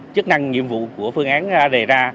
chức năng nhiệm vụ của phương án đề ra